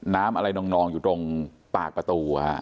น้ำอะไรนองอยู่ตรงปากประตู